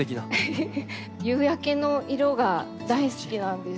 夕焼けの色が大好きなんです。